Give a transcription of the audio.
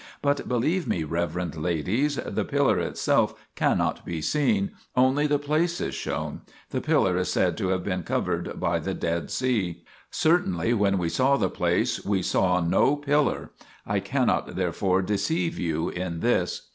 2 But believe me, reverend ladies, the pillar itself cannot be seen, only the place is shown, the pillar is said to have been covered by the Dead Sea. Certainly when we saw the place we saw no pillar, I cannot therefore deceive you in this.